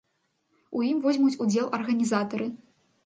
У ім возьмуць удзел арганізатары.